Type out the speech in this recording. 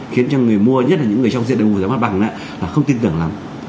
khiến cho người mua nhất là những người trong diện đồng của giá mặt bằng là không tin tưởng lắm